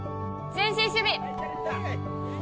前進守備！